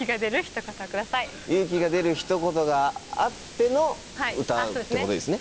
勇気が出る一言があっての歌ってことでいいですね？